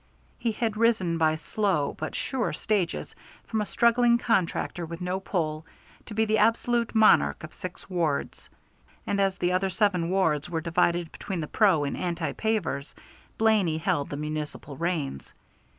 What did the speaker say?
He had risen by slow but sure stages from a struggling contractor with no pull, to be the absolute monarch of six wards; and as the other seven wards were divided between the pro and anti pavers, Blaney held the municipal reins.